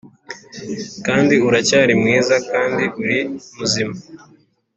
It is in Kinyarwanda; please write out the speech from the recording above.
kandi uracyari mwiza kandi uri muzima.